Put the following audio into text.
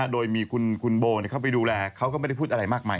โดยมีคุณโบเข้าไปดูแลเขาก็ไม่ได้พูดอะไรมากมาย